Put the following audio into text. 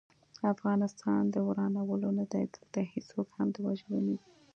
افغانستان د ورانولو نه دی، دلته هيڅوک هم د وژلو نه دی